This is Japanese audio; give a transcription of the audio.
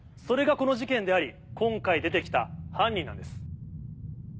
それがこの事件であり今回出て来た犯人なんです。